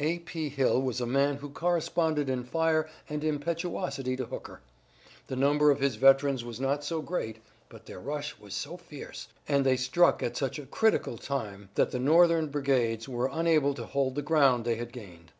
A. P. Hill was a man who corresponded in fire and impetuosity to Hooker. The number of his veterans was not so great, but their rush was so fierce, and they struck at such a critical time that the Northern brigades were unable to hold the ground they had gained.